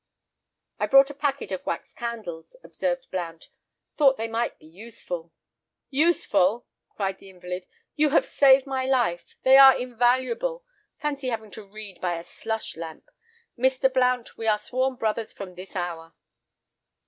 "I brought a packet of wax candles," observed Blount. "Thought they might be useful." "Useful!" cried the invalid, "you have saved my life, they are invaluable. Fancy having to read by a slush lamp! Mr. Blount, we are sworn brothers from this hour."